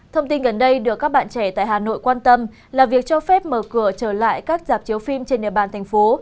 thông tin gần đây được các bạn trẻ tại hà nội quan tâm là việc cho phép mở cửa trở lại các dạp chiếu phim trên địa bàn thành phố